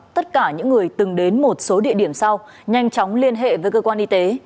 tất cả những người từng đến một số địa điểm sau nhanh chóng liên hệ với cơ quan y tế